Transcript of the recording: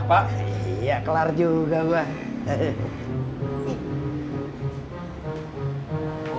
ya pak iya kelar juga mbak